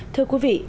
thưa quý vị